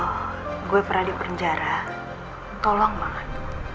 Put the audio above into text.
mir soal gue pernah di penjara tolong banget